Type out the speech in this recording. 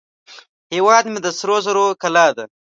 هیواد مې د سرو زرو کلاه ده